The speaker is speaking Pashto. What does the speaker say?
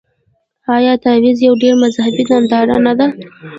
آیا تعزیه یو ډول مذهبي ننداره نه ده؟